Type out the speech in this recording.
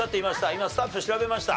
今スタッフ調べました。